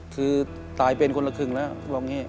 คือตายเป็นคนละครึ่งแล้ว